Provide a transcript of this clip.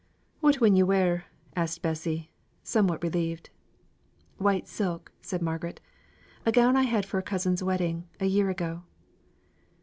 "What win yo' wear?" asked Bessy, somewhat relieved. "White silk," said Margaret. "A gown I had for a cousin's wedding, a year ago."